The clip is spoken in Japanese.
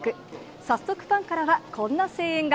早速、ファンからはこんな声援が。